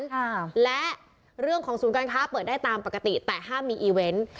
ค่ะและเรื่องของศูนย์การค้าเปิดได้ตามปกติแต่ห้ามมีอีเวนต์